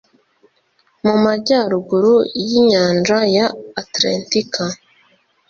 mu majyaruguru y'inyanja ya Atlantika